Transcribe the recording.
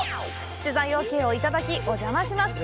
取材ＯＫをいただき、お邪魔します。